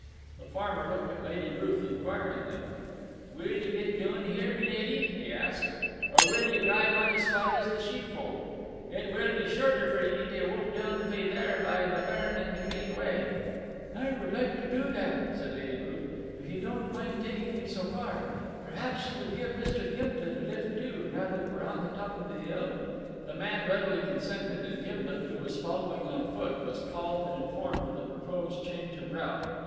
The farmer looked at Lady Ruth inquiringly. "Will ye get doon here, my leddy?" he asked; "or will ye drive on as far as the sheepfold? It will be shorter for ye tae walk doon fay there, by the burn and the Green Way." "I should like to do that;" said Lady Ruth, "if you don't mind taking me so far. Perhaps you would give Mr. Gimblet a lift too, now that we're on top of the hill?" The man readily consented, and Gimblet, who was following on foot, was called and informed of the proposed change of route.